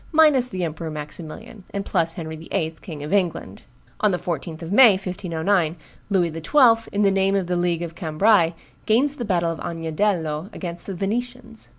minus the Emperor Maximilian, and plus Henry VIII., King of England. On the 14th of May, 1509, Louis XII., in the name of the League of Cambrai, gains the battle of Agnadello against the Venetians.